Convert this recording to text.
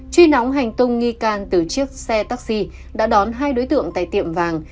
truy nóng hành tung nghi can từ chiếc xe taxi đã đón hai đối tượng tại tiệm vàng